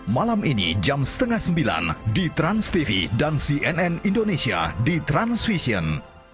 malam ini jam setengah sembilan di transtv dan cnn indonesia di transvision